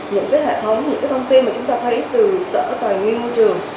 những cái hệ thống những cái thông tin mà chúng ta thấy từ sở tòa nguyên môi trường